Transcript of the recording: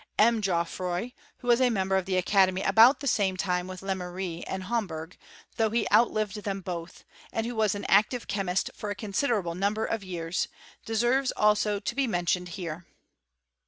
M. Geoffroy, who was a member of the academy about the same time with Lemery and Hombergi^ though he outlived them both, and who was an active chemist for a considerable number of years, deserves also to be mentioned here.